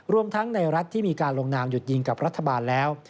รวมทั้งในรัฐที่มีการลงนามหยุดยิงกับรัฐบาลแล้ว